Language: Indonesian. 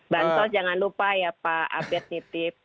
bansos jangan lupa ya pak abed nitip